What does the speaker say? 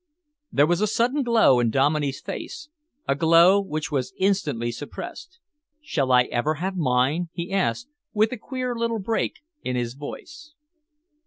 There was a sudden glow in Dominey's face, a glow which was instantly suppressed. "Shall I ever have mine?" he asked, with a queer little break in his voice.